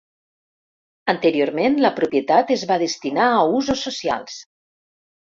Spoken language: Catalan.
Anteriorment, la propietat es va destinar a usos socials.